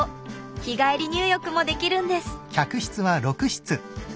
日帰り入浴もできるんです！